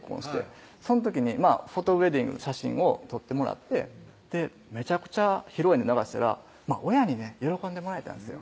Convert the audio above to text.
その時にフォトウェディングの写真を撮ってもらってめちゃくちゃ披露宴で流したら親にね喜んでもらえたんですよ